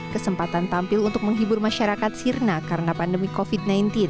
kesempatan tampil untuk menghibur masyarakat sirna karena pandemi covid sembilan belas